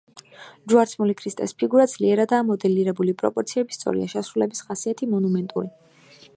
ჯვარცმული ქრისტეს ფიგურა ძლიერადაა მოდელირებული, პროპორციები სწორია, შესრულების ხასიათი მონუმენტური.